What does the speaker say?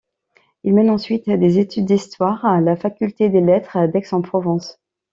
Il mène ensuite des études d’histoire à la faculté des Lettres d’Aix-en-Provence.